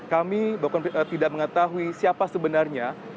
kami tidak mengetahui siapa sebenarnya